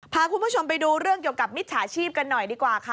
พาคุณผู้ชมไปดูเรื่องเกี่ยวกับมิจฉาชีพกันหน่อยดีกว่าค่ะ